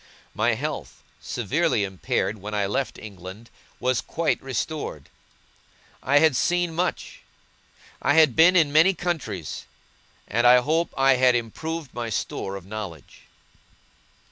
My health, severely impaired when I left England, was quite restored. I had seen much. I had been in many countries, and I hope I had improved my store of knowledge.